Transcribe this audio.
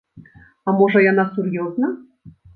А можа, яна сур'ёзна?